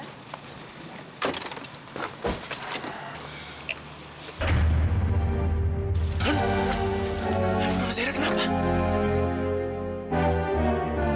jangan lupa like share dan subscribe ya